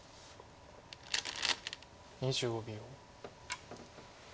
２５秒。